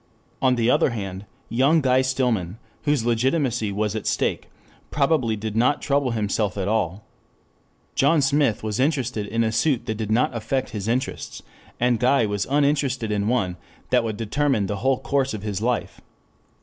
On the other hand, young Guy Stillman, whose legitimacy was at stake, probably did not trouble himself at all. John Smith was interested in a suit that did not affect his "interests," and Guy was uninterested in one that would determine the whole course of his life.